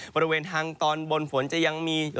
บริเวณทางตอนบนฝนจะยังมีหรือไม่